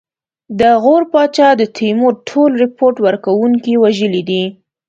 د غور پاچا د تیمور ټول رپوټ ورکوونکي وژلي دي.